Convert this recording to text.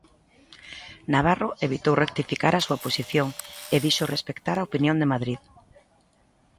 Navarro evitou rectificar a súa posición e dixo respectar a opinión de Madrid.